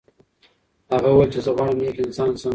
هغه وویل چې زه غواړم نیک انسان شم.